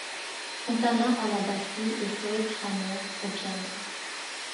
Fontana à la batterie et Floyd Cramer au piano.